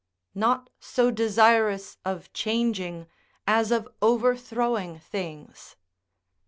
["Not so desirous of changing as of overthrowing things."